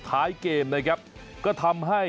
ท้ายเกมนะครับก็ทำให้